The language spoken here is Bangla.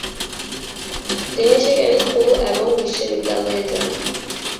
তিনি সেখানের স্কুল এবং বিশ্ববিদ্যালয়ে যান।